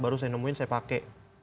baru saya nemuin saya pakai